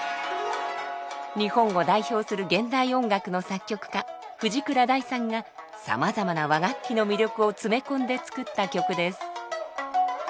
日本を代表する現代音楽の作曲家藤倉大さんがさまざまな和楽器の魅力を詰め込んで作った曲です。